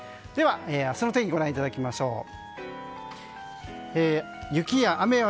では、明日の天気をご覧いただきましょう。